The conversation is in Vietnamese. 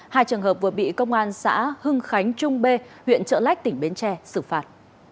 hai trường hợp vừa bị công an xã hưng khánh trung b huyện trợ lách tỉnh bến tre xử phạt